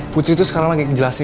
putri itu sekarang lagi ngejelasin